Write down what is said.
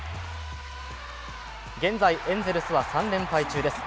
現在、エンゼルスは３連敗中です。